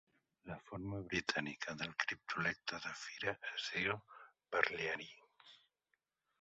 La forma britànica del criptolecte de fira es diu "Parlyaree".